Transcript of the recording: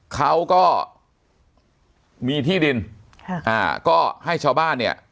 เขาก็มีที่ดินค่ะอ่าก็ให้ชาวบ้านเนี่ย